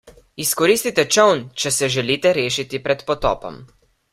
Izkoristite čoln, če se želite rešiti pred potopom.